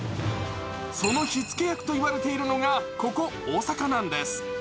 その火付け役と言われているのがここ大阪なんです。